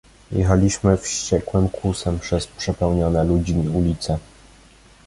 "Jechaliśmy wściekłym kłusem przez przepełnione ludźmi ulice."